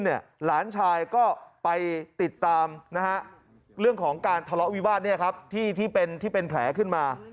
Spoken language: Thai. หลานชายก็ไปติดตามเรื่องของการทะเลาะวิวาสที่เป็นแผลขึ้นมา